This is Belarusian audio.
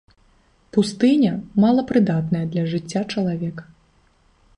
Пустыня, малапрыдатная для жыцця чалавека.